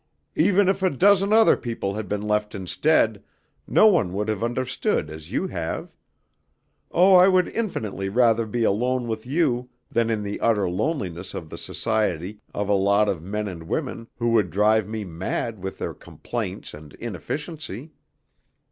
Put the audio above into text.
Even if a dozen other people had been left instead, no one would have understood as you have. Oh, I would infinitely rather be alone with you than in the utter loneliness of the society of a lot of men and women who would drive me mad with their complaints and inefficiency.